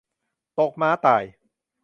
ตกม้าตาย